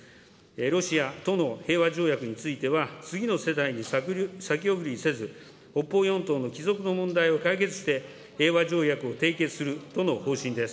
ロシアとの平和条約については、次の世代に先送りせず、北方４島の帰属の問題を解決して、平和条約を締結するとの方針です。